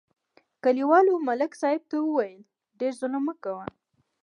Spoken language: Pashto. کلیوالو ملک صاحب ته وویل: ډېر ظلم مه کوه.